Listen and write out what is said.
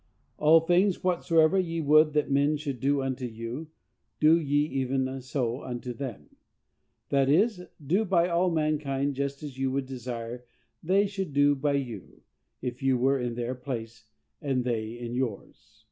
"All things whatsoever ye would that men should do unto you, do ye even so unto them;" that is, do by all mankind just as you would desire they should do by you, if you were in their place, and they in yours.